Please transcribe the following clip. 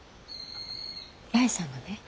八重さんがね